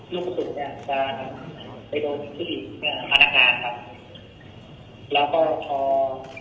ลูกประสุทธิ์เนี้ยจะไปโดนผู้หญิงใช่ไหมพนักงานครับแล้วก็พอ